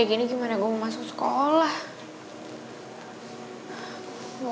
kareng dimana ya